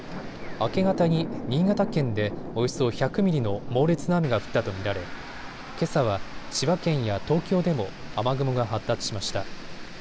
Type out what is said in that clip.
明け方に新潟県でおよそ１００ミリの猛烈な雨が降ったと見られけさは千葉県や東京でも雨雲が発達しました。